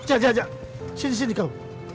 eh jatuh jatuh sini sini kau